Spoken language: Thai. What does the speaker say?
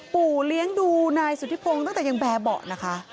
ปู่เลี้ยงดูนายสุธิพงศ์ตั้งแต่ยังแบบเบาะนะคะ